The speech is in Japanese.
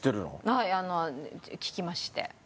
はい聞きまして。